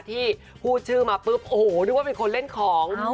ที่พูดชื่อมาปุ๊บโอ้โหนึกว่าเป็นคนเล่นของ